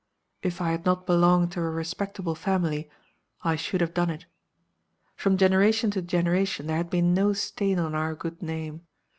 If I had not belonged to a respectable family, I should have done it. From generation to generation there had been no stain on our good name.